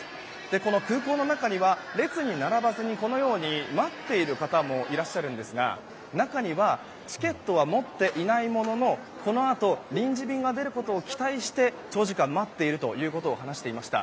この空港の中には列に並ばずに待っている方もいらっしゃるんですが中にはチケットは持っていないもののこのあと臨時便が出ることを期待して長時間待っているということを話していました。